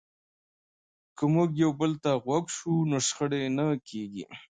که موږ یو بل ته غوږ شو نو شخړې نه کېږي.